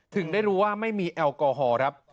ถึงได้รู้ว่าไม่มีแอลกอฮอล์ครับ